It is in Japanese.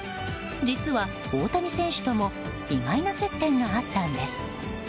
実は、大谷選手とも意外な接点があったんです。